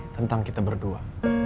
tentang kita berdua